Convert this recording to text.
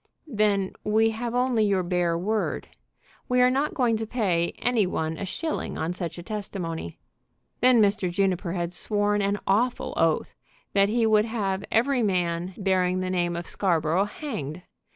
"Then we have only your bare word. We are not going to pay any one a shilling on such a testimony." Then Mr. Juniper had sworn an awful oath that he would have every man bearing the name of Scarborough hanged.